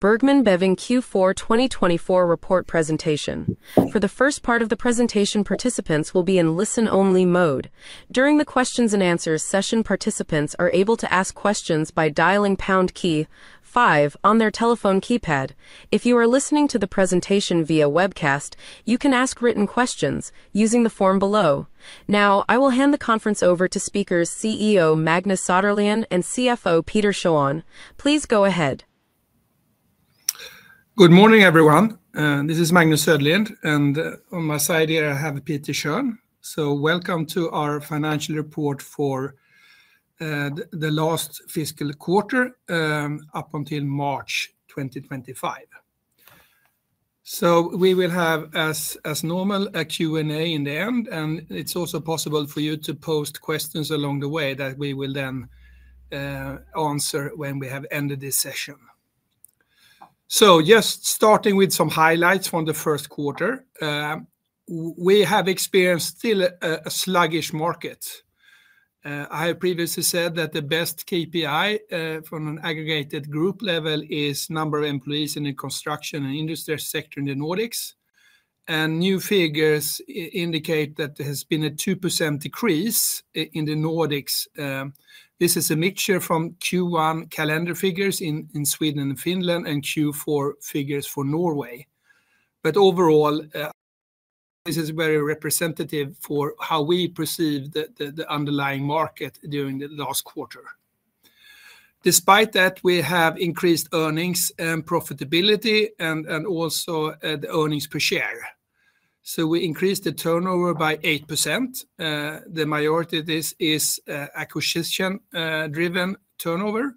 Bergman & Beving Q4 2024 Report presentation. For the first part of the presentation, participants will be in listen-only mode. During the Q&A session, participants are able to ask questions by dialing pound key 5 on their telephone keypad. If you are listening to the presentation via webcast, you can ask written questions using the form below. Now, I will hand the conference over to Speakers CEO Magnus Söderlind and CFO Peter Schön. Please go ahead. Good morning, everyone. This is Magnus Söderlind, and on my side here I have Peter Schön. Welcome to our financial report for the last fiscal quarter up until March 2025. We will have, as normal, a Q&A in the end, and it's also possible for you to post questions along the way that we will then answer when we have ended this session. Just starting with some highlights from the first quarter, we have experienced still a sluggish market. I have previously said that the best KPI from an aggregated group level is number of employees in the construction and industrial sector in the Nordics. New figures indicate that there has been a 2% decrease in the Nordics. This is a mixture from Q1 calendar figures in Sweden and Finland and Q4 figures for Norway. Overall, this is very representative for how we perceive the underlying market during the last quarter. Despite that, we have increased earnings and profitability and also the earnings per share. We increased the turnover by 8%. The majority of this is acquisition-driven turnover.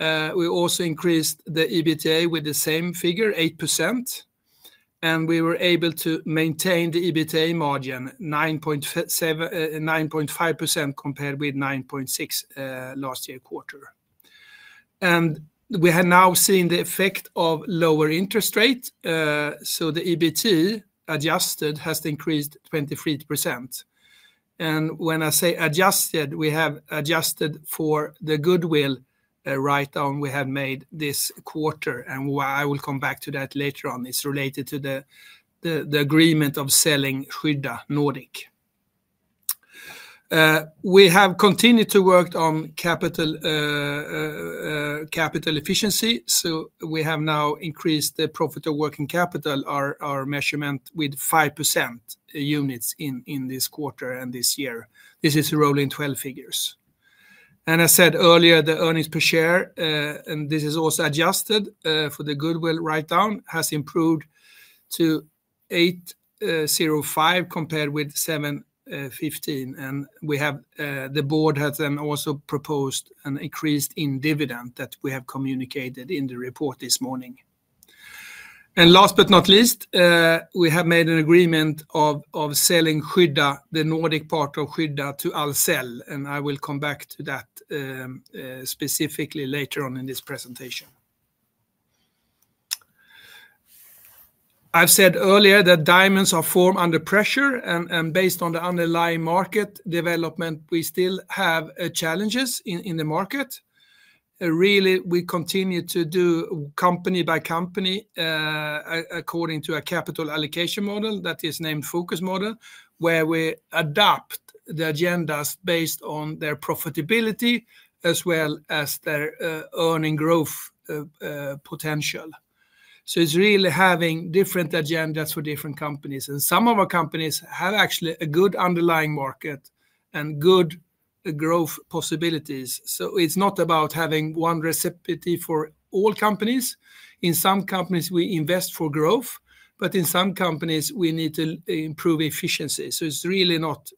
We also increased the EBITDA with the same figure, 8%. We were able to maintain the EBITDA margin, 9.5% compared with 9.6% last year quarter. We have now seen the effect of lower interest rates. The EBIT adjusted has increased 23%. When I say adjusted, we have adjusted for the goodwill write-on we have made this quarter. I will come back to that later on. It is related to the agreement of selling Skydda Nordic. We have continued to work on capital efficiency. We have now increased the profitability of working capital, our measurement, by 5% units in this quarter and this year. This is rolling 12 figures. As I said earlier, the earnings per share, and this is also adjusted for the goodwill write-on, has improved to 8.05 compared with 7.15. The board has then also proposed an increase in dividend that we have communicated in the report this morning. Last but not least, we have made an agreement of selling Skydda, the Nordic part of Skydda, to Ahlsell. I will come back to that specifically later on in this presentation. I have said earlier that diamonds are formed under pressure. Based on the underlying market development, we still have challenges in the market. Really, we continue to do company-by-company according to a capital allocation model that is named Focus Model, where we adapt the agendas based on their profitability as well as their earning growth potential. It is really having different agendas for different companies. Some of our companies have actually a good underlying market and good growth possibilities. It is not about having one recipe for all companies. In some companies, we invest for growth, but in some companies, we need to improve efficiency. It is really not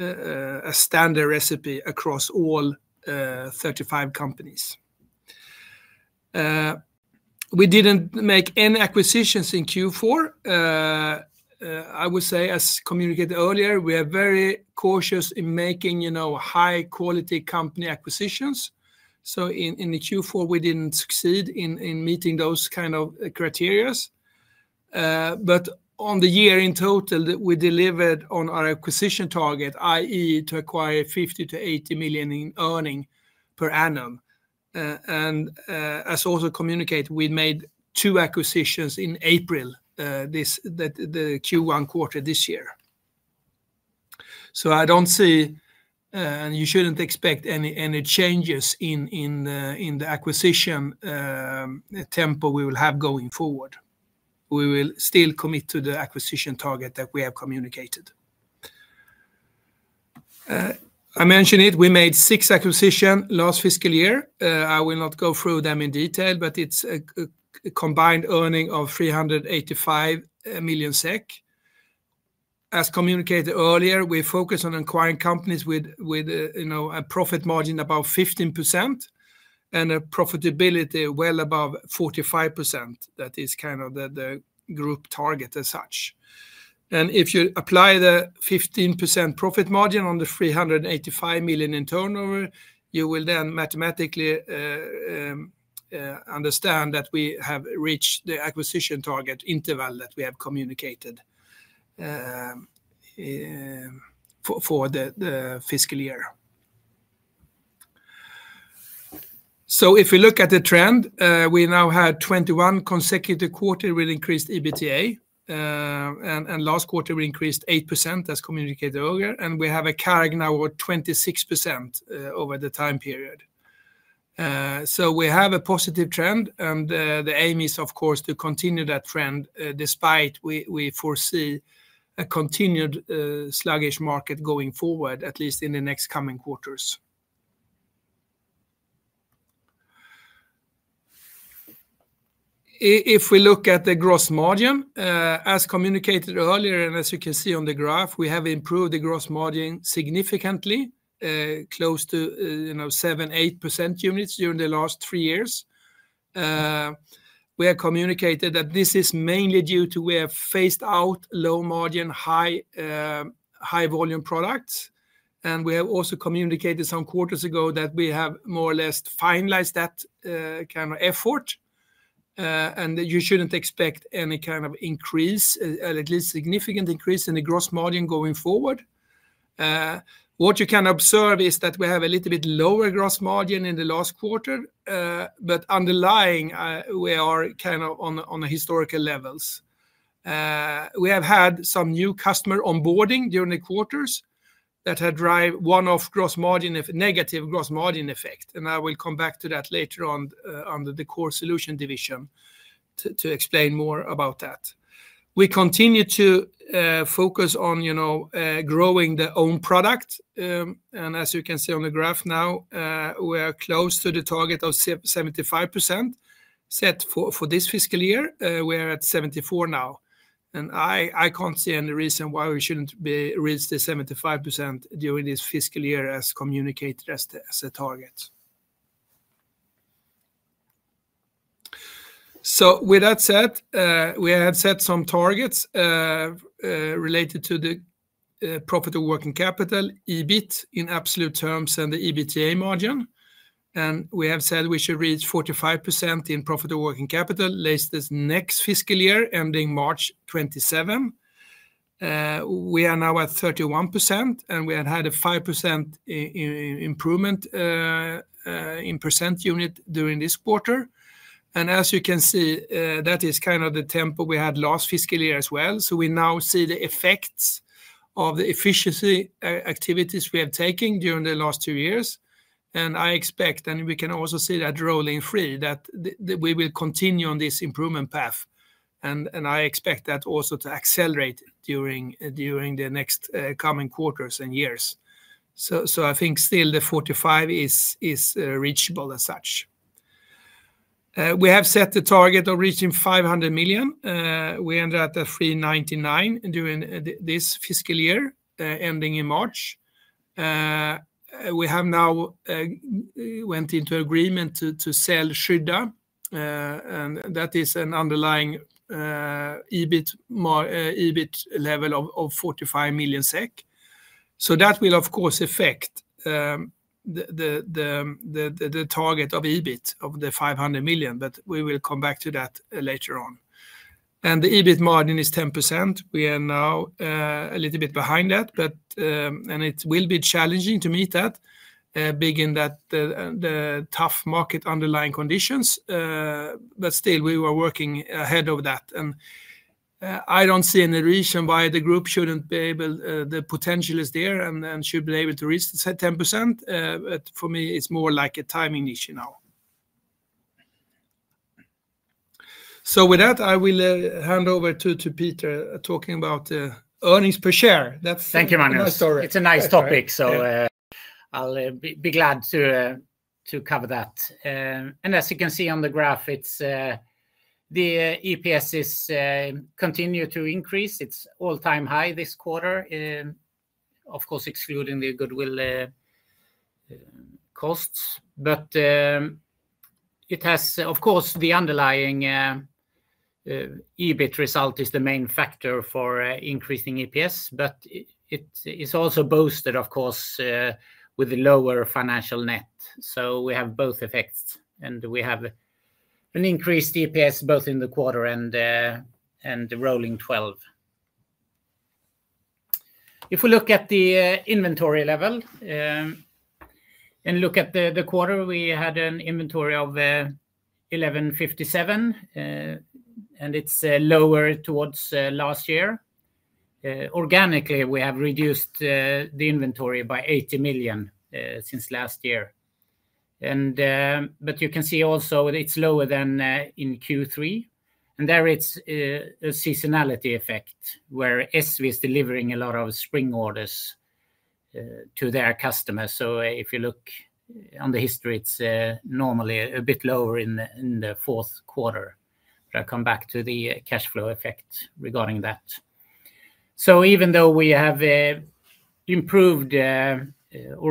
a standard recipe across all 35 companies. We did not make any acquisitions in Q4. I would say, as communicated earlier, we are very cautious in making high-quality company acquisitions. In the Q4, we did not succeed in meeting those kinds of criteria. On the year in total, we delivered on our acquisition target, i.e., to acquire 50 million-80 million in earnings per annum. As also communicated, we made two acquisitions in April, the Q1 quarter this year. I do not see, and you should not expect, any changes in the acquisition tempo we will have going forward. We will still commit to the acquisition target that we have communicated. I mentioned it. We made six acquisitions last fiscal year. I will not go through them in detail, but it is a combined earning of 385 million SEK. As communicated earlier, we focus on acquiring companies with a profit margin of about 15% and a profitability well above 45%. That is kind of the group target as such. If you apply the 15% profit margin on the 385 million in turnover, you will then mathematically understand that we have reached the acquisition target interval that we have communicated for the fiscal year. If we look at the trend, we now have 21 consecutive quarters with increased EBITDA. Last quarter, we increased 8%, as communicated earlier. We have a carry now of 26% over the time period. We have a positive trend. The aim is, of course, to continue that trend despite we foresee a continued sluggish market going forward, at least in the next coming quarters. If we look at the gross margin, as communicated earlier, and as you can see on the graph, we have improved the gross margin significantly, close to 7%-8% units during the last three years. We have communicated that this is mainly due to we have phased out low-margin, high-volume products. We have also communicated some quarters ago that we have more or less finalized that kind of effort. You should not expect any kind of increase, at least significant increase, in the gross margin going forward. What you can observe is that we have a little bit lower gross margin in the last quarter, but underlying, we are kind of on the historical levels. We have had some new customer onboarding during the quarters that had driven one of negative gross margin effects. I will come back to that later on under the Core Solutions division to explain more about that. We continue to focus on growing the own product. As you can see on the graph now, we are close to the target of 75% set for this fiscal year. We are at 74% now. I can't see any reason why we shouldn't reach the 75% during this fiscal year as communicated as a target. With that said, we have set some targets related to the profit of working capital, EBIT in absolute terms, and the EBITDA margin. We have said we should reach 45% in profit of working capital later this next fiscal year, ending March 2027. We are now at 31%, and we had a 5% improvement in percent unit during this quarter. As you can see, that is kind of the tempo we had last fiscal year as well. We now see the effects of the efficiency activities we have taken during the last two years. I expect, and we can also see that rolling free, that we will continue on this improvement path. I expect that also to accelerate during the next coming quarters and years. I think still the 45% is reachable as such. We have set the target of reaching 500 million. We ended at 399 million during this fiscal year, ending in March. We have now went into agreement to sell Skydda. That is an underlying EBIT level of 45 million SEK. That will, of course, affect the target of EBIT of the 500 million, but we will come back to that later on. The EBIT margin is 10%. We are now a little bit behind that, and it will be challenging to meet that, being in the tough market underlying conditions. Still, we were working ahead of that. I do not see any reason why the group should not be able; the potential is there and should be able to reach 10%. For me, it's more like a timing issue now. With that, I will hand over to Peter talking about earnings per share. Thank you, Magnus. It's a nice topic, so I'll be glad to cover that. As you can see on the graph, the EPS has continued to increase. It's all-time high this quarter, of course, excluding the goodwill costs. It has, of course, the underlying EBIT result as the main factor for increasing EPS, but it is also boosted, of course, with the lower financial net. We have both effects, and we have an increased EPS both in the quarter and rolling 12. If we look at the inventory level and look at the quarter, we had an inventory of 1,157, and it's lower towards last year. Organically, we have reduced the inventory by 80 million since last year. You can see also it's lower than in Q3. There is a seasonality effect where ESSVE is delivering a lot of spring orders to their customers. If you look on the history, it's normally a bit lower in the fourth quarter. I'll come back to the cash flow effect regarding that. Even though we have improved or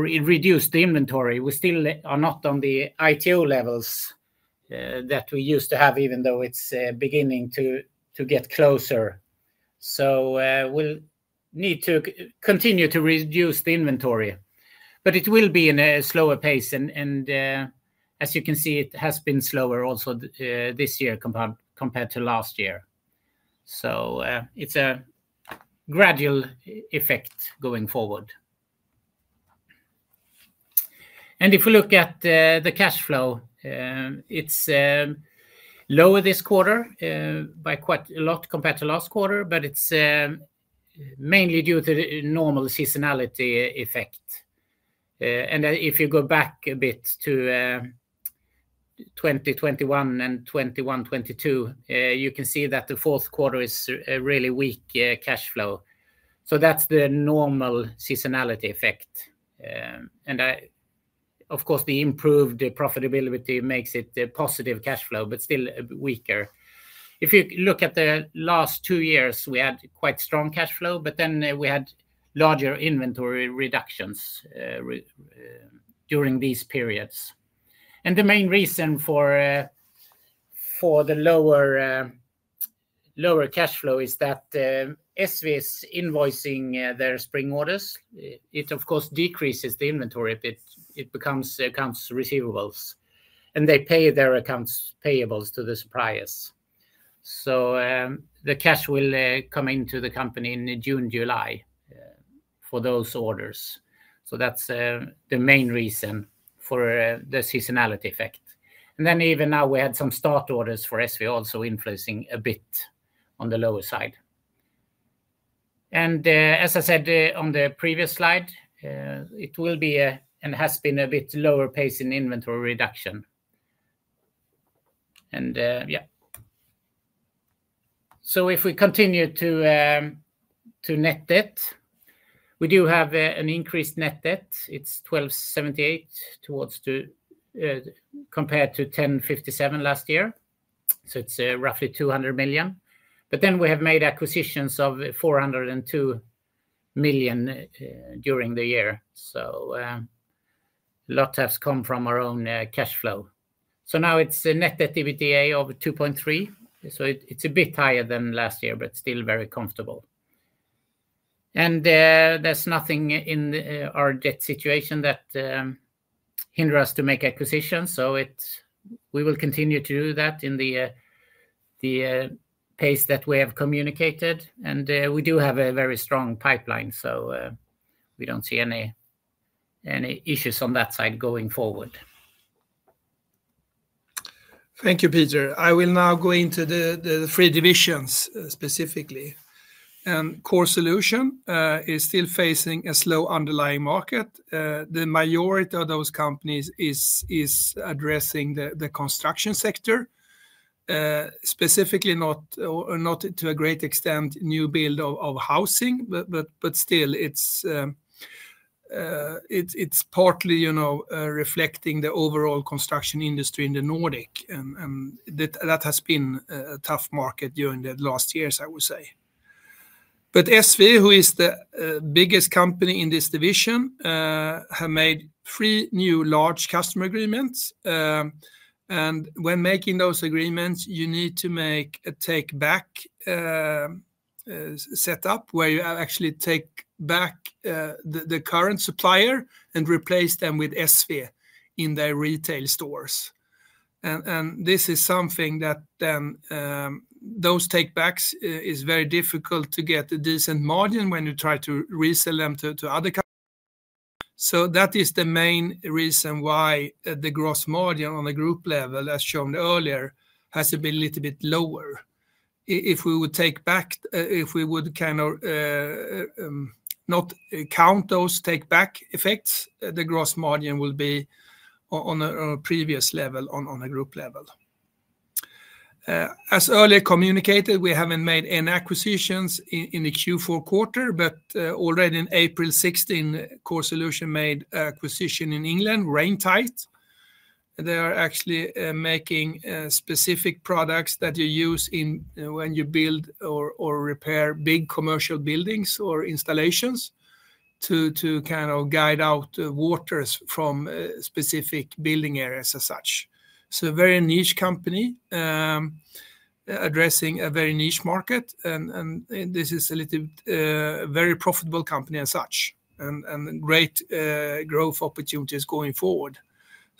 reduced the inventory, we still are not on the ITO levels that we used to have, even though it's beginning to get closer. We'll need to continue to reduce the inventory, but it will be at a slower pace. As you can see, it has been slower also this year compared to last year. It's a gradual effect going forward. If we look at the cash flow, it's lower this quarter by quite a lot compared to last quarter, but it's mainly due to the normal seasonality effect. If you go back a bit to 2021 and 2021,2022, you can see that the fourth quarter is a really weak cash flow. That is the normal seasonality effect. Of course, the improved profitability makes it a positive cash flow, but still weaker. If you look at the last two years, we had quite strong cash flow, but then we had larger inventory reductions during these periods. The main reason for the lower cash flow is that ESSVE is invoicing their spring orders. It, of course, decreases the inventory a bit. It becomes accounts receivables, and they pay their accounts payables to the suppliers. The cash will come into the company in June, July for those orders. That is the main reason for the seasonality effect. Even now we had some start orders for ESSVE also increasing a bit on the lower side. As I said on the previous slide, it will be and has been a bit lower pace in inventory reduction. Yeah. If we continue to net debt, we do have an increased net debt. It is 1,278 compared to 1,057 last year. It is roughly 200 million. We have made acquisitions of 402 million during the year. A lot has come from our own cash flow. Now it is a net activity of 2.3. It is a bit higher than last year, but still very comfortable. There is nothing in our debt situation that hinders us to make acquisitions. We will continue to do that in the pace that we have communicated. We do have a very strong pipeline, so we do not see any issues on that side going forward. Thank you, Peter. I will now go into the three divisions specifically. Core Solutions is still facing a slow underlying market. The majority of those companies is addressing the construction sector, specifically not to a great extent new build of housing, but still it's partly reflecting the overall construction industry in the Nordics. That has been a tough market during the last years, I would say. ESSVE, who is the biggest company in this division, has made three new large customer agreements. When making those agreements, you need to make a take-back setup where you actually take back the current supplier and replace them with ESSVE in their retail stores. This is something that then those take-backs is very difficult to get a decent margin when you try to resell them to other companies. That is the main reason why the gross margin on the group level, as shown earlier, has been a little bit lower. If we would take back, if we would kind of not count those take-back effects, the gross margin will be on a previous level on a group level. As earlier communicated, we have not made any acquisitions in the Q4 quarter, but already on April 16, Core Solutions made an acquisition in England, Raintight. They are actually making specific products that you use when you build or repair big commercial buildings or installations to kind of guide out waters from specific building areas as such. A very niche company addressing a very niche market. This is a very profitable company as such, and great growth opportunities going forward.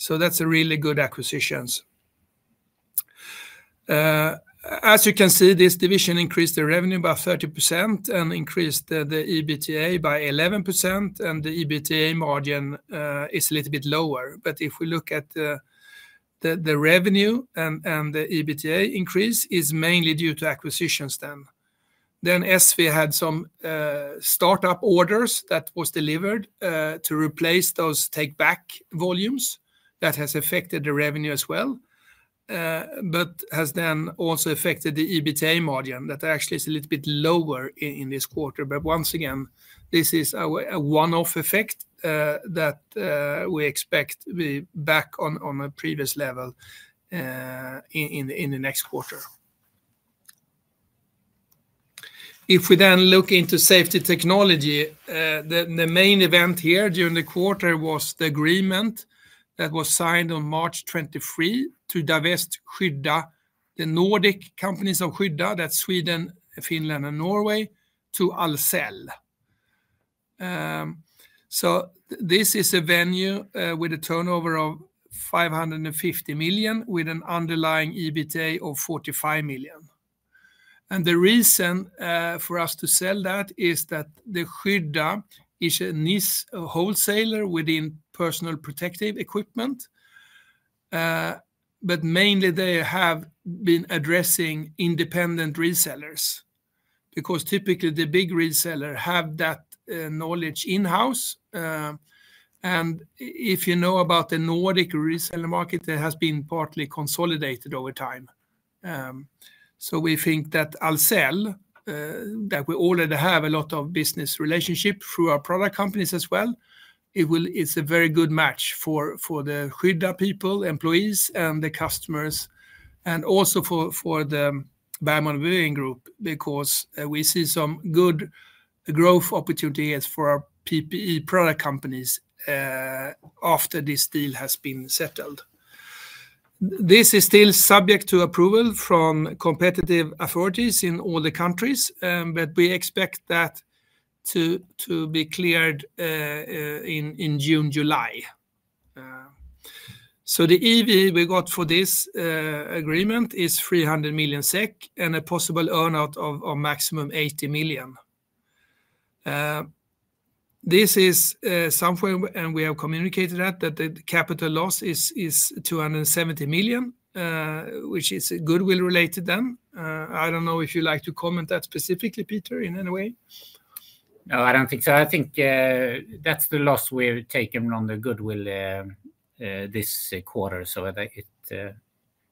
That is a really good acquisition. As you can see, this division increased the revenue by 30% and increased the EBITDA by 11%. The EBITDA margin is a little bit lower. If we look at the revenue and the EBITDA increase, it is mainly due to acquisitions then. Then ESSVE had some startup orders that were delivered to replace those take-back volumes. That has affected the revenue as well, but has then also affected the EBITDA margin that actually is a little bit lower in this quarter. Once again, this is a one-off effect that we expect to be back on a previous level in the next quarter. If we then look into Safety Technology, the main event here during the quarter was the agreement that was signed on March 23 to divest Skydda, the Nordic companies of Skydda, that is Sweden, Finland, and Norway, to Ahlsell. This is a venue with a turnover of 550 million with an underlying EBITDA of 45 million. The reason for us to sell that is that Skydda is a niche wholesaler within personal protective equipment, but mainly they have been addressing independent resellers because typically the big reseller has that knowledge in-house. If you know about the Nordic reseller market, it has been partly consolidated over time. We think that Ahlsell, that we already have a lot of business relationships through our product companies as well, is a very good match for the Skydda people, employees, and the customers, and also for the Bergman & Beving Group because we see some good growth opportunities for our PPE product companies after this deal has been settled. This is still subject to approval from competitive authorities in all the countries, but we expect that to be cleared in June, July. The EV we got for this agreement is 300 million SEK and a possible earnout of maximum 80 million. This is something, and we have communicated that, that the capital loss is 270 million, which is goodwill related then. I do not know if you would like to comment that specifically, Peter, in any way. No, I don't think so. I think that's the loss we've taken on the goodwill this quarter.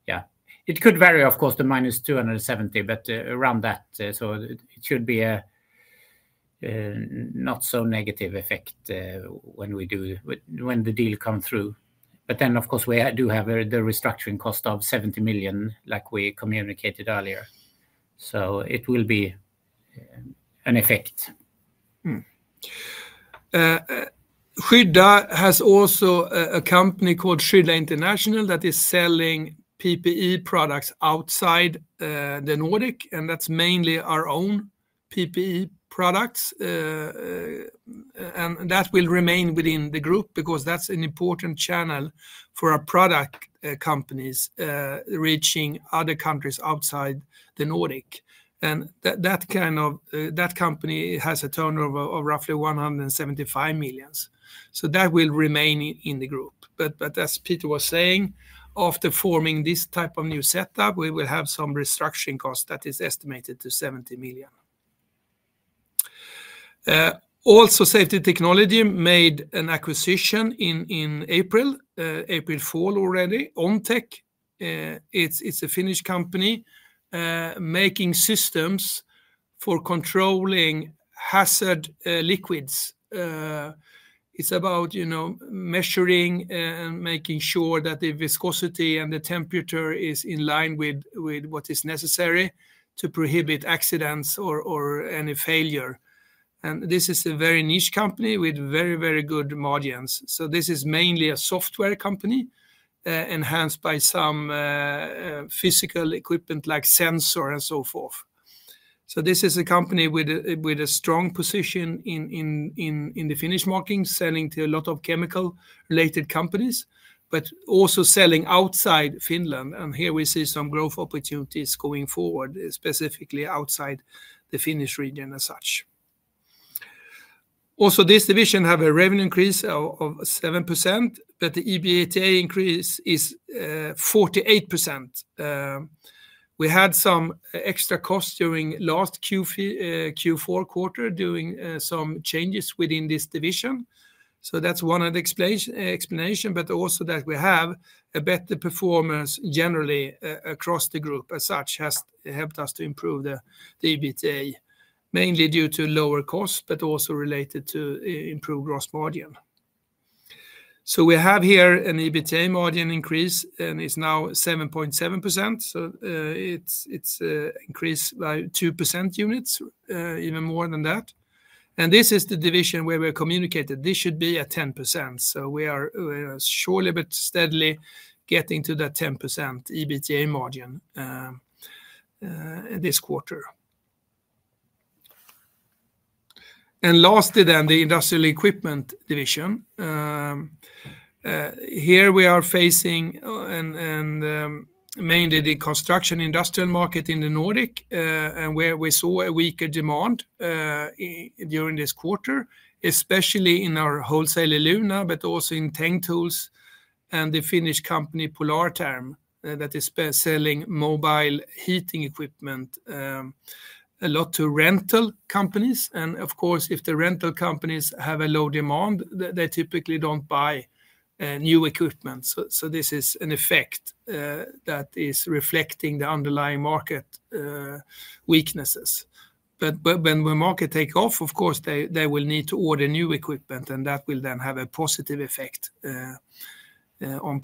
Yeah, it could vary, of course, to minus 270 million, but around that. It should be a not-so-negative effect when the deal comes through. Of course, we do have the restructuring cost of 70 million, like we communicated earlier. It will be an effect. Skydda also has a company called Skydda International that is selling PPE products outside the Nordic, and that is mainly our own PPE products. That will remain within the group because that is an important channel for our product companies reaching other countries outside the Nordic. That company has a turnover of roughly 175 million. That will remain in the group. As Peter was saying, after forming this type of new setup, we will have some restructuring costs that are estimated to 70 million. Also, Safety Technology made an acquisition in April, already, Ontec. It is a Finnish company making systems for controlling hazard liquids. It is about measuring and making sure that the viscosity and the temperature is in line with what is necessary to prohibit accidents or any failure. This is a very niche company with very, very good margins. This is mainly a software company enhanced by some physical equipment like sensors and so forth. This is a company with a strong position in the Finnish market, selling to a lot of chemical-related companies, but also selling outside Finland. Here we see some growth opportunities going forward, specifically outside the Finnish region as such. Also, this division has a revenue increase of 7%, but the EBITDA increase is 48%. We had some extra costs during the last Q4 quarter doing some changes within this division. That is one explanation, but also that we have better performance generally across the group as such has helped us to improve the EBITDA, mainly due to lower costs, but also related to improved gross margin. We have here an EBITDA margin increase, and it is now 7.7%. It has increased by 2% units, even more than that. This is the division where we have communicated this should be at 10%. We are surely a bit steadily getting to that 10% EBITDA margin this quarter. Lastly, the Industrial Equipment division. Here we are facing mainly the construction industrial market in the Nordics, and we saw a weaker demand during this quarter, especially in our wholesaler Luna, but also in Teng Tools and the Finnish company Polartherm that is selling mobile heating equipment a lot to rental companies. Of course, if the rental companies have a low demand, they typically do not buy new equipment. This is an effect that is reflecting the underlying market weaknesses. When the market takes off, they will need to order new equipment, and that will then have a positive effect on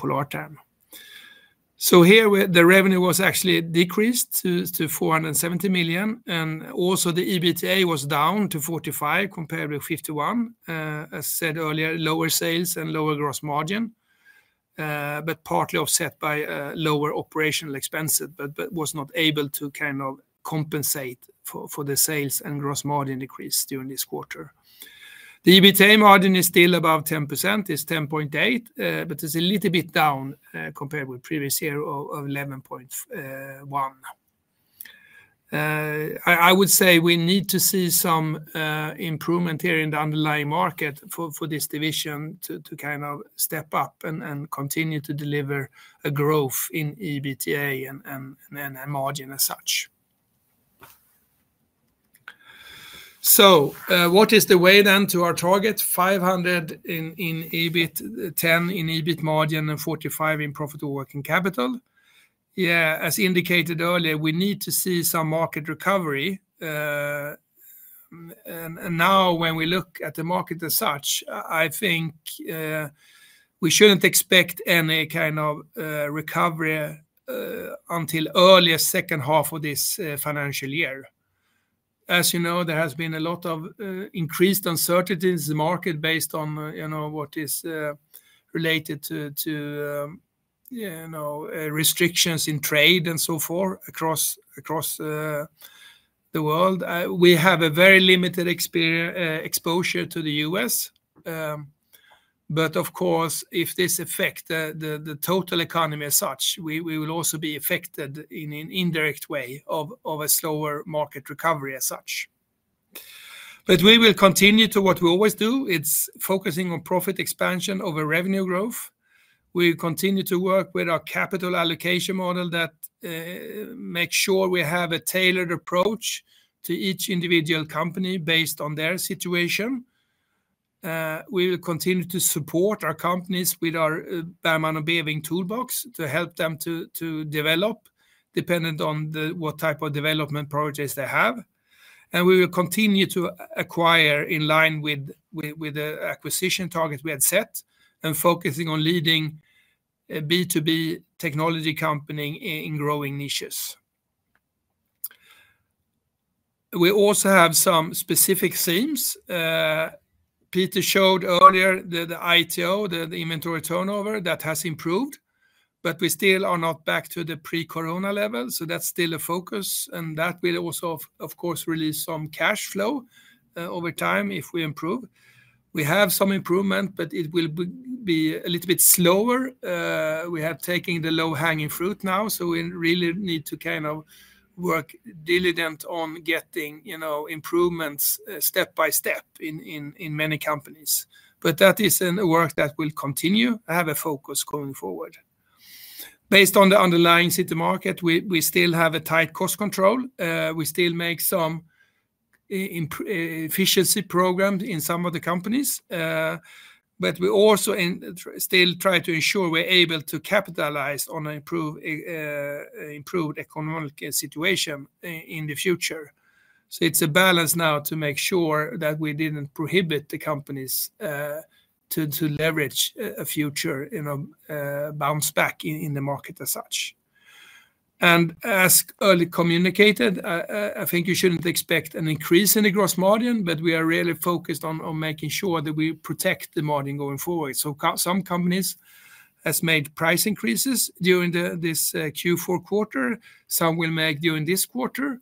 Polartherm. Here, the revenue was actually decreased to 470 million, and also the EBITDA was down to 45 million compared with 51 million. As said earlier, lower sales and lower gross margin, but partly offset by lower operational expenses, but was not able to kind of compensate for the sales and gross margin decrease during this quarter. The EBITDA margin is still above 10%, is 10.8%, but it's a little bit down compared with the previous year of 11.1%. I would say we need to see some improvement here in the underlying market for this division to kind of step up and continue to deliver a growth in EBITDA and margin as such. What is the way then to our target? 500 million in EBIT, 10% in EBIT margin, and 45% in profitable working capital. Yeah, as indicated earlier, we need to see some market recovery. Now, when we look at the market as such, I think we shouldn't expect any kind of recovery until early second half of this financial year. As you know, there has been a lot of increased uncertainty in the market based on what is related to restrictions in trade and so forth across the world. We have a very limited exposure to the U.S. Of course, if this affects the total economy as such, we will also be affected in an indirect way of a slower market recovery as such. We will continue to do what we always do. It's focusing on profit expansion over revenue growth. We continue to work with our capital allocation model that makes sure we have a tailored approach to each individual company based on their situation. We will continue to support our companies with our Bergman & Beving toolbox to help them to develop depending on what type of development projects they have. We will continue to acquire in line with the acquisition target we had set and focusing on leading B2B technology company in growing niches. We also have some specific themes. Peter showed earlier the ITO, the inventory turnover that has improved, but we still are not back to the pre-Corona level. That is still a focus. That will also, of course, release some cash flow over time if we improve. We have some improvement, but it will be a little bit slower. We have taken the low-hanging fruit now. We really need to kind of work diligently on getting improvements step-by-step in many companies. That is a work that will continue to have a focus going forward. Based on the underlying city market, we still have a tight cost control. We still make some efficiency programs in some of the companies. We also still try to ensure we're able to capitalize on an improved economic situation in the future. It is a balance now to make sure that we did not prohibit the companies to leverage a future bounce back in the market as such. As early communicated, I think you should not expect an increase in the gross margin, but we are really focused on making sure that we protect the margin going forward. Some companies have made price increases during this Q4 quarter. Some will make during this quarter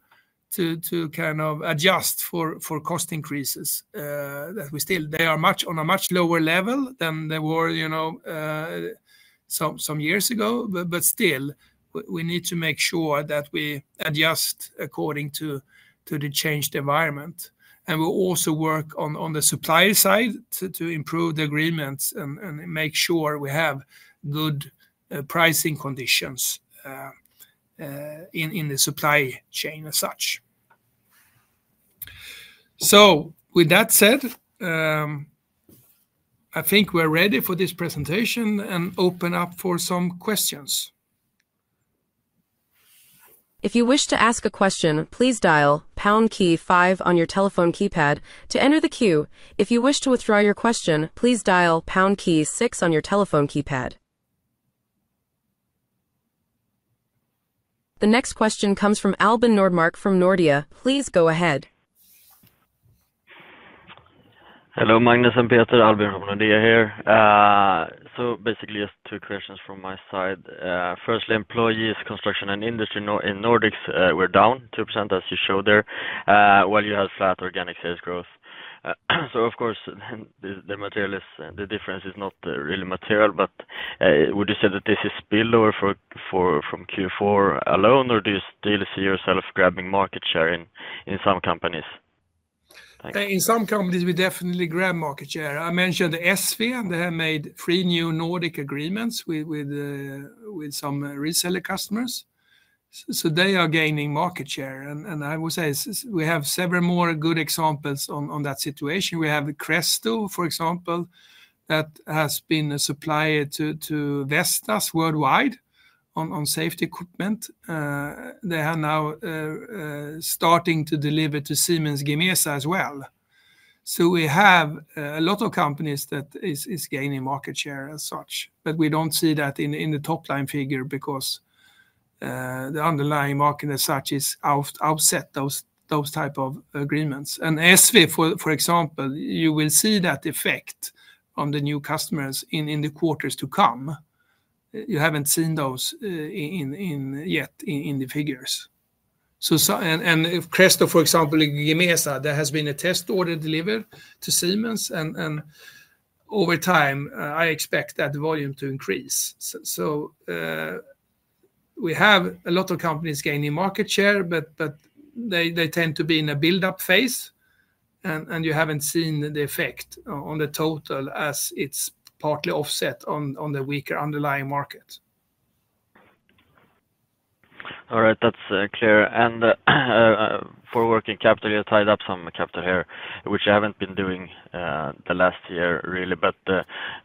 to kind of adjust for cost increases. They are on a much lower level than they were some years ago, but still, we need to make sure that we adjust according to the changed environment. We will also work on the supply side to improve the agreements and make sure we have good pricing conditions in the supply chain as such. With that said, I think we are ready for this presentation and open up for some questions. If you wish to ask a question, please dial pound key 5 on your telephone keypad to enter the queue. If you wish to withdraw your question, please dial pound key 6 on your telephone keypad. The next question comes from Albin Nordmark from Nordea. Please go ahead. Hello, Magnus and Peter. Albin from Nordea here. Basically, just two questions from my side. Firstly, employees, construction and industry in Nordics, we're down 2%, as you showed there, while you have flat organic sales growth. Of course, the difference is not really material, but would you say that this is spillover from Q4 alone, or do you still see yourself grabbing market share in some companies? In some companies, we definitely grab market share. I mentioned SV. They have made three new Nordic agreements with some reseller customers. They are gaining market share. I will say we have several more good examples on that situation. We have Cresto, for example, that has been a supplier to Vestas worldwide on safety equipment. They are now starting to deliver to Siemens Gamesa as well. We have a lot of companies that are gaining market share as such, but we do not see that in the top line figure because the underlying market as such has outset those types of agreements. SV, for example, you will see that effect on the new customers in the quarters to come. You have not seen those yet in the figures. Cresto, for example, Gamesa, there has been a test order delivered to Siemens, and over time, I expect that volume to increase. We have a lot of companies gaining market share, but they tend to be in a build-up phase, and you have not seen the effect on the total as it is partly offset on the weaker underlying market. All right, that's clear. For working capital, you tied up some capital here, which you have not been doing the last year, really.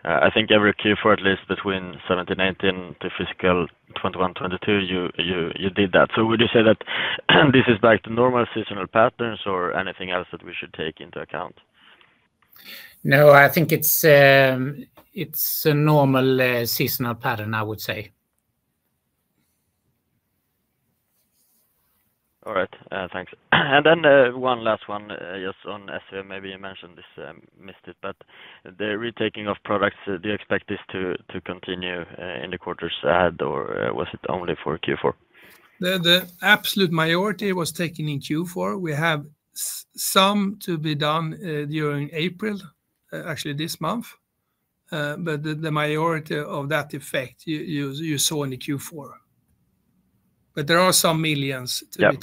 I think every Q4, at least between 2017-2018 to fiscal 2021-2022, you did that. Would you say that this is back to normal seasonal patterns or anything else that we should take into account? No, I think it's a normal seasonal pattern, I would say. All right, thanks. Then one last one, just on SVM, maybe you mentioned this, Mister Schön, but the retaking of products, do you expect this to continue in the quarters ahead, or was it only for Q4? The absolute majority was taken in Q4. We have some to be done during April, actually this month, but the majority of that effect you saw in Q4. There are some millions to be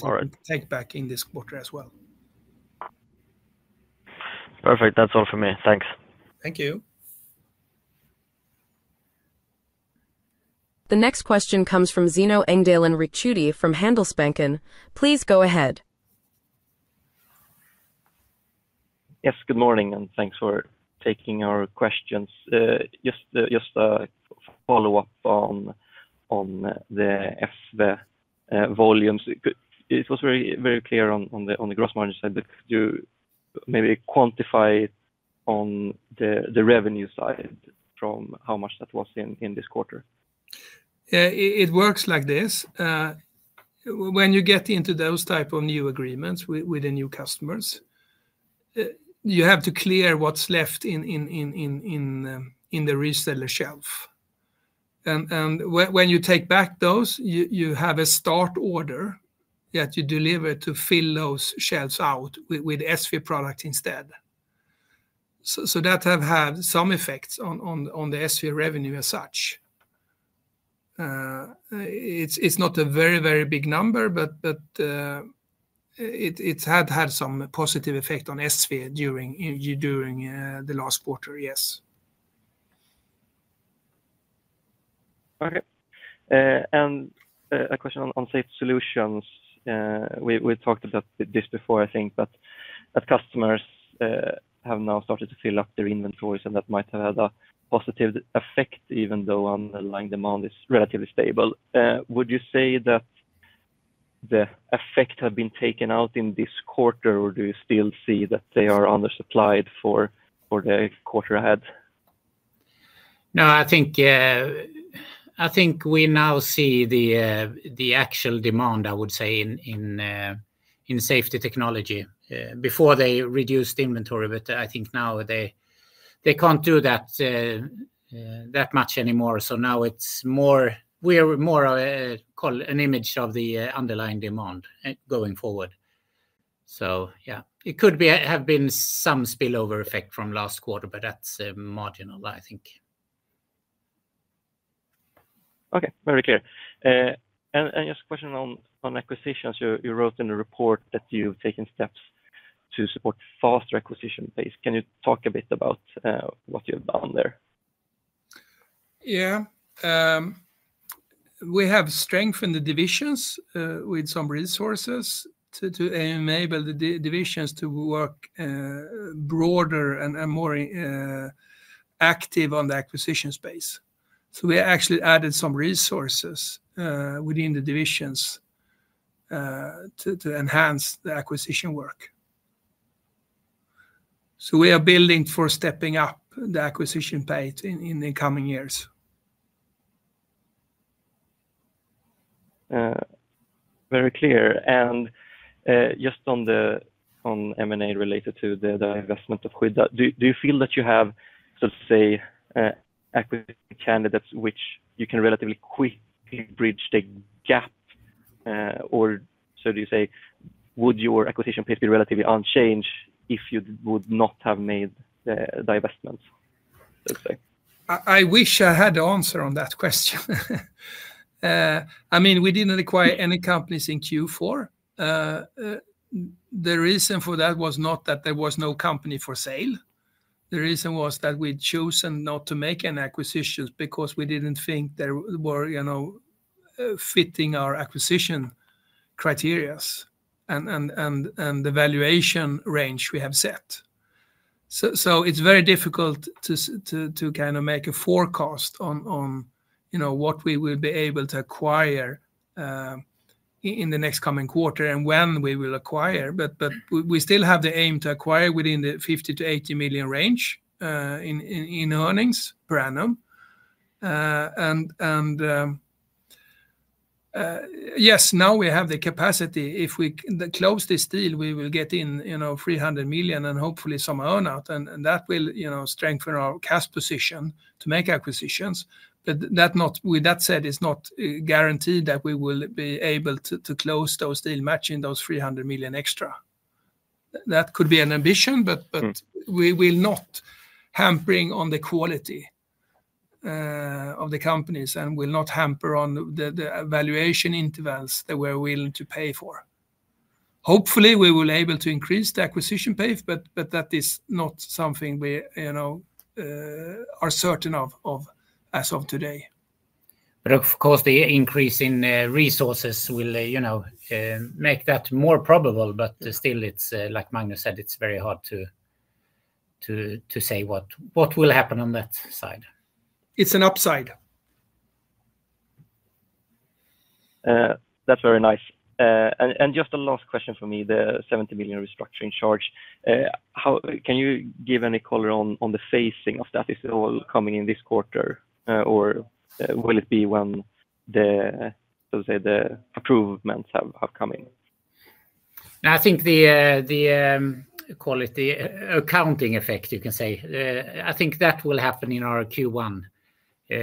taken back in this quarter as well. Perfect. That's all for me. Thanks. Thank you. The next question comes from Zeno Engdahl from Handelsbanken. Please go ahead. Yes, good morning, and thanks for taking our questions. Just a follow-up on the SV volumes. It was very clear on the gross margin side, but could you maybe quantify it on the revenue side from how much that was in this quarter? It works like this. When you get into those types of new agreements with the new customers, you have to clear what's left in the reseller shelf. When you take back those, you have a start order that you deliver to fill those shelves out with SV products instead. That has had some effects on the SV revenue as such. It's not a very, very big number, but it had some positive effect on SV during the last quarter, yes. All right. A question on safety solutions. We talked about this before, I think, but customers have now started to fill up their inventories, and that might have had a positive effect, even though underlying demand is relatively stable. Would you say that the effect has been taken out in this quarter, or do you still see that they are undersupplied for the quarter ahead? No, I think we now see the actual demand, I would say, in Safety Technology. Before, they reduced inventory, but I think now they can't do that much anymore. Now we're more of an image of the underlying demand going forward. Yeah, it could have been some spillover effect from last quarter, but that's marginal, I think. Okay, very clear. Just a question on acquisitions. You wrote in the report that you've taken steps to support faster acquisition pace. Can you talk a bit about what you've done there? Yeah. We have strengthened the divisions with some resources to enable the divisions to work broader and more active on the acquisition space. We actually added some resources within the divisions to enhance the acquisition work. We are building for stepping up the acquisition pace in the coming years. Very clear. Just on the M&A related to the investment of Skydda, do you feel that you have, let's say, equity candidates which you can relatively quickly bridge the gap? Or do you say, would your acquisition pace be relatively unchanged if you would not have made the investments, let's say? I wish I had the answer on that question. I mean, we did not acquire any companies in Q4. The reason for that was not that there was no company for sale. The reason was that we chose not to make an acquisition because we did not think they were fitting our acquisition criteria and the valuation range we have set. It is very difficult to kind of make a forecast on what we will be able to acquire in the next coming quarter and when we will acquire. We still have the aim to acquire within the 50 million-80 million range in earnings per annum. Yes, now we have the capacity. If we close this deal, we will get in 300 million and hopefully some earnout, and that will strengthen our cash position to make acquisitions. With that said, it's not guaranteed that we will be able to close those deals matching those 300 million extra. That could be an ambition, but we will not hamper on the quality of the companies and will not hamper on the valuation intervals that we are willing to pay for. Hopefully, we will be able to increase the acquisition pace, but that is not something we are certain of as of today. Of course, the increase in resources will make that more probable, but still, like Magnus said, it's very hard to say what will happen on that side. It's an upside. That's very nice. Just a last question for me, the 70 million restructuring charge. Can you give any color on the phasing of that? Is it all coming in this quarter, or will it be when the improvements have come in? I think the quality accounting effect, you can say, I think that will happen in our Q1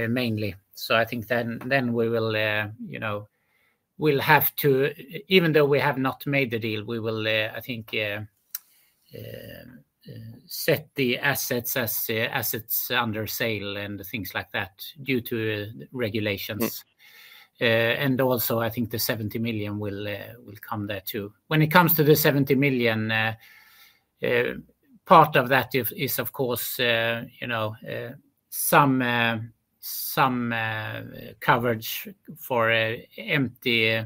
mainly. I think then we will have to, even though we have not made the deal, we will, I think, set the assets under sale and things like that due to regulations. Also, I think the 70 million will come there too. When it comes to the 70 million, part of that is, of course, some coverage for empty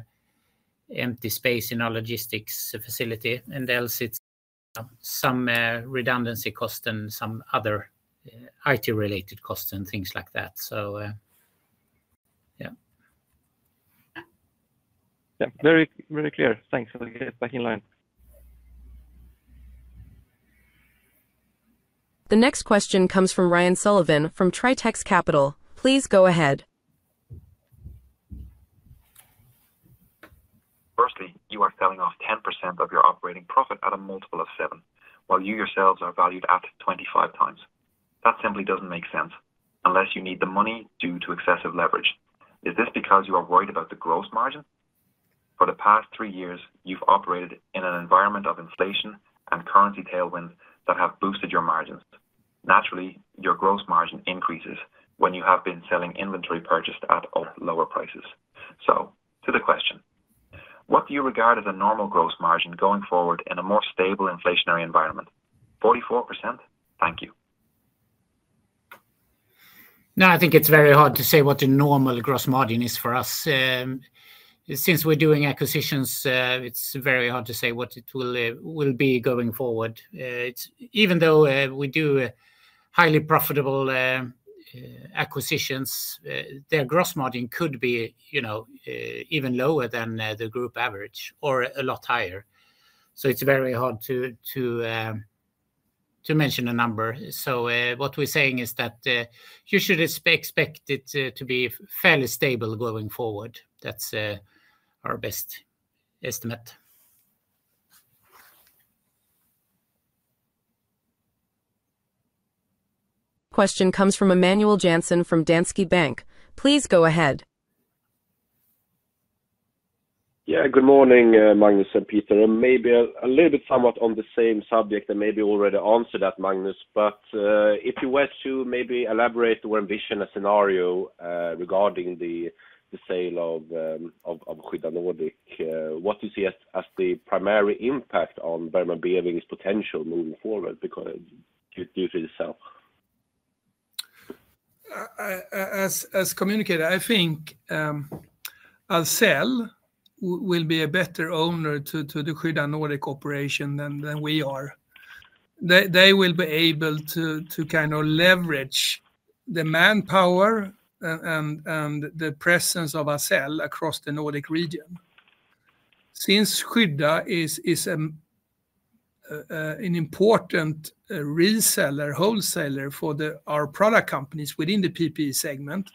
space in our logistics facility. Else it's some redundancy costs and some other IT-related costs and things like that. Yeah. Yeah, very clear. Thanks. We'll get back in line. The next question comes from Ryan Sullivan from Tredje AP-fonden. Please go ahead. Firstly, you are selling off 10% of your operating profit at a multiple of seven, while you yourselves are valued at 25 times. That simply does not make sense unless you need the money due to excessive leverage. Is this because you are worried about the gross margin? For the past three years, you have operated in an environment of inflation and currency tailwinds that have boosted your margins. Naturally, your gross margin increases when you have been selling inventory purchased at lower prices. To the question, what do you regard as a normal gross margin going forward in a more stable inflationary environment? 44%? Thank you. No, I think it's very hard to say what a normal gross margin is for us. Since we're doing acquisitions, it's very hard to say what it will be going forward. Even though we do highly profitable acquisitions, their gross margin could be even lower than the group average or a lot higher. It's very hard to mention a number. What we're saying is that you should expect it to be fairly stable going forward. That's our best estimate. Question comes from Emanuel Jansen from Danske Bank. Please go ahead. Yeah, good morning, Magnus and Peter. Maybe a little bit somewhat on the same subject and maybe already answered that, Magnus, but if you were to maybe elaborate or envision a scenario regarding the sale of Skydda Nordic, what do you see as the primary impact on Bergman & Beving's potential moving forward due to itself? As communicated, I think Ahlsell will be a better owner to the Skydda Nordic operation than we are. They will be able to kind of leverage the manpower and the presence of Ahlsell across the Nordic region. Since Skydda is an important reseller wholesaler for our product companies within the PPE segment,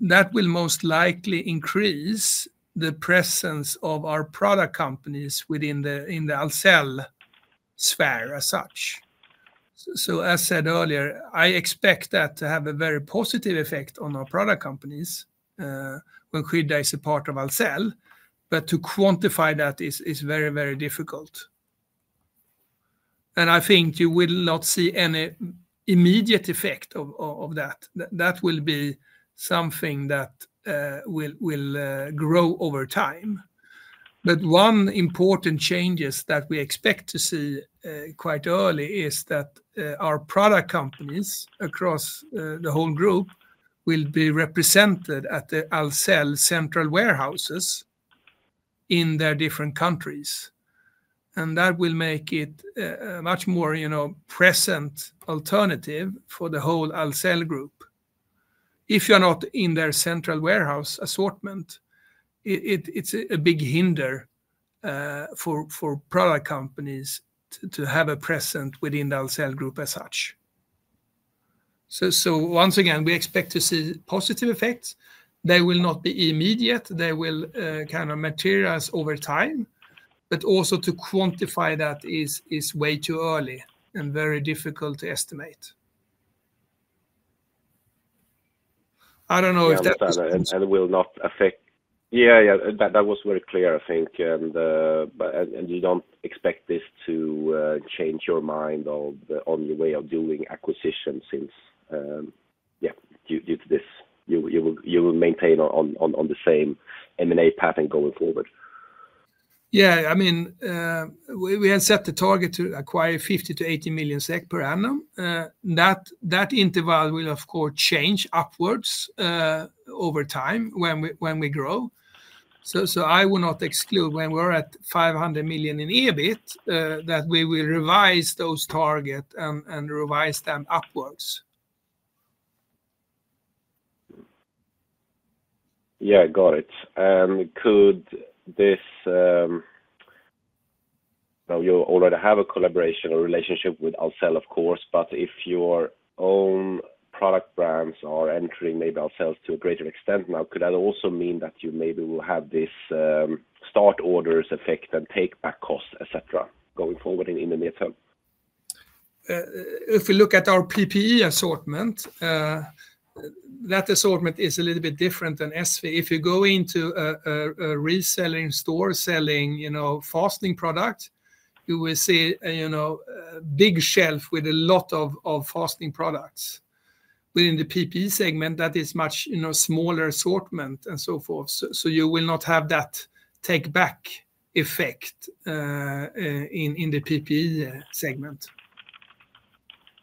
that will most likely increase the presence of our product companies within the Ahlsell sphere as such. As said earlier, I expect that to have a very positive effect on our product companies when Skydda is a part of Ahlsell, but to quantify that is very, very difficult. I think you will not see any immediate effect of that. That will be something that will grow over time. One important change that we expect to see quite early is that our product companies across the whole group will be represented at the Ahlsell central warehouses in their different countries. That will make it a much more present alternative for the whole Ahlsell group. If you are not in their central warehouse assortment, it is a big hinder for product companies to have a presence within the Ahlsell group as such. Once again, we expect to see positive effects. They will not be immediate. They will kind of materialize over time. Also, to quantify that is way too early and very difficult to estimate. I do not know if that. Will not affect. Yeah, yeah, that was very clear, I think. You do not expect this to change your mind on the way of doing acquisitions since, yeah, due to this. You will maintain on the same M&A pattern going forward. Yeah, I mean, we had set the target to acquire 50 million-80 million SEK per annum. That interval will, of course, change upwards over time when we grow. I will not exclude when we're at 500 million in EBIT that we will revise those targets and revise them upwards. Yeah, got it. Could this, now you already have a collaboration or relationship with Ahlsell, of course, but if your own product brands are entering maybe Ahlsell to a greater extent now, could that also mean that you maybe will have this start orders effect and take back costs, etc., going forward in the near term? If we look at our PPE assortment, that assortment is a little bit different than SV. If you go into a reselling store selling fastening products, you will see a big shelf with a lot of fastening products. Within the PPE segment, that is a much smaller assortment and so forth. You will not have that take back effect in the PPE segment.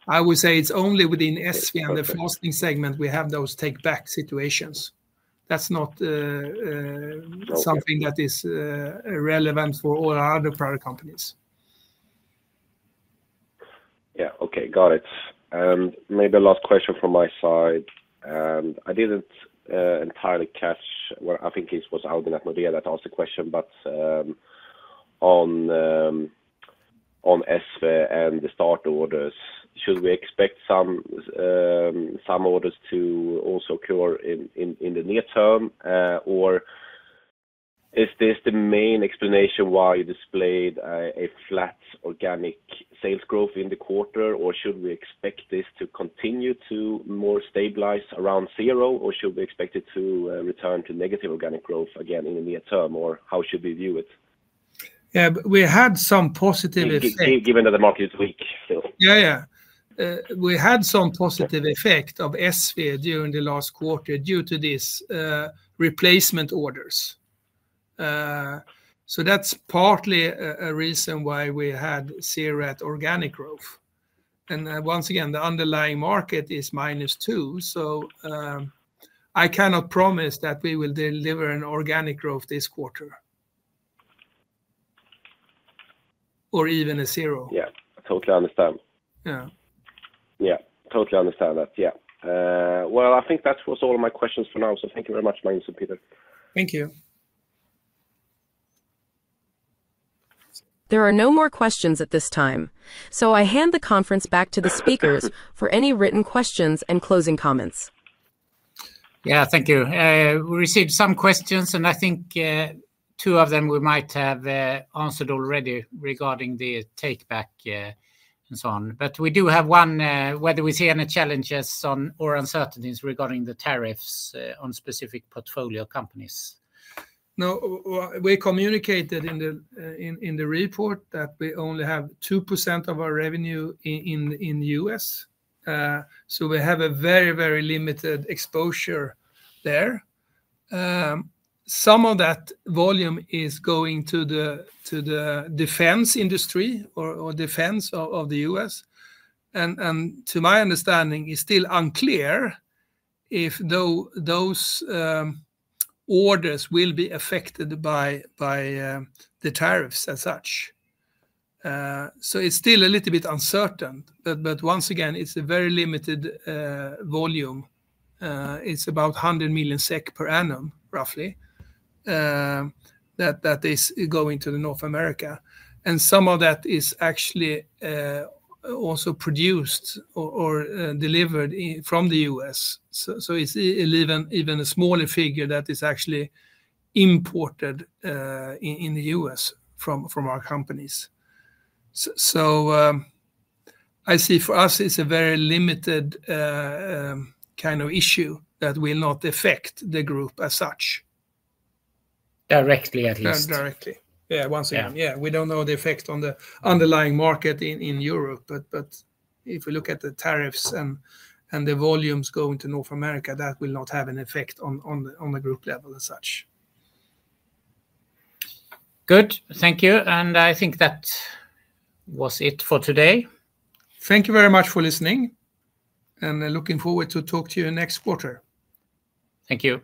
I would say it is only within SV and the fastening segment we have those take back situations. That is not something that is relevant for all our other product companies. Yeah, okay, got it. Maybe a last question from my side. I did not entirely catch what I think it was Albin at Nordea that asked the question, but on Essve and the start orders, should we expect some orders to also occur in the near term? Is this the main explanation why you displayed a flat organic sales growth in the quarter? Should we expect this to continue to more stabilize around zero? Should we expect it to return to negative organic growth again in the near term? How should we view it? Yeah, we had some positive. Given that the market is weak. Yeah, yeah. We had some positive effect of ESSVE during the last quarter due to these replacement orders. That is partly a reason why we had zero organic growth. Once again, the underlying market is minus two. I cannot promise that we will deliver an organic growth this quarter or even a zero. Yeah, totally understand. Yeah. Yeah, totally understand that. Yeah. I think that was all of my questions for now. Thank you very much, Magnus and Peter. Thank you. There are no more questions at this time. I hand the conference back to the speakers for any written questions and closing comments. Yeah, thank you. We received some questions, and I think two of them we might have answered already regarding the take back and so on. We do have one, whether we see any challenges or uncertainties regarding the tariffs on specific portfolio companies. No, we communicated in the report that we only have 2% of our revenue in the U.S. So we have a very, very limited exposure there. Some of that volume is going to the defense industry or defense of the U.S. And to my understanding, it's still unclear if those orders will be affected by the tariffs as such. It's still a little bit uncertain. Once again, it's a very limited volume. It's about 100 million SEK per annum, roughly, that is going to North America. Some of that is actually also produced or delivered from the U.S. It's even a smaller figure that is actually imported in the U.S. from our companies. I see for us, it's a very limited kind of issue that will not affect the group as such. Directly, at least. Not directly. Yeah, once again, we don't know the effect on the underlying market in Europe. If we look at the tariffs and the volumes going to North America, that will not have an effect on the group level as such. Good, thank you. I think that was it for today. Thank you very much for listening. I am looking forward to talk to you next quarter. Thank you.